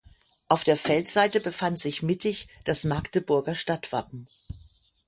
Auf der Feldseite befand sich mittig das Magdeburger Stadtwappen.